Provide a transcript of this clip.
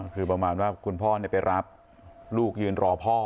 คือประมาณว่าคุณพ่อไปรับลูกยืนรอพ่อ